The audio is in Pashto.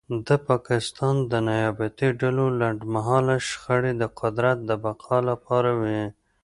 د پاکستان د نیابتي ډلو لنډمهاله شخړې د قدرت د بقا لپاره وې